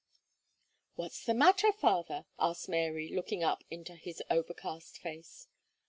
"What's the matter, father?" asked Mary, looking up into his overcast face.